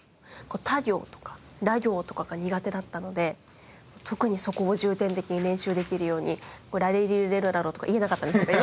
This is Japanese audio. た行とから行とかが苦手だったので特にそこを重点的に練習できるように「らりりるれろらろ」とか言えなかったんですけど今。